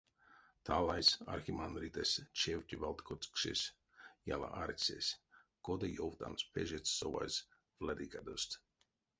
Талайс архимандритэсь чевте валт кочксесь, яла арсесь, кода ёвтамс пежетьс совазь владыкадост.